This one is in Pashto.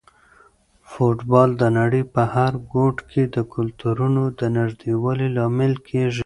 فوټبال د نړۍ په هر ګوټ کې د کلتورونو د نږدېوالي لامل کیږي.